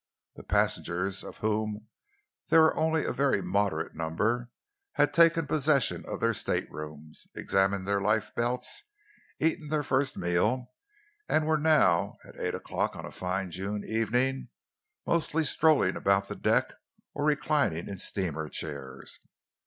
The passengers, of whom there were only a very moderate number, had taken possession of their staterooms, examined their lifebelts, eaten their first meal, and were now, at eight o'clock on a fine June evening, mostly strolling about the deck or reclining in steamer chairs.